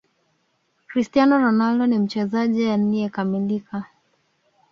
cristiano ronaldo ni mchezaji alieyekamilika